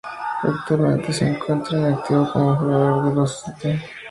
Actualmente se encuentra en activo como jugador de los St.